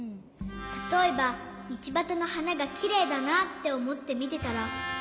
たとえばみちばたのはながきれいだなっておもってみてたら。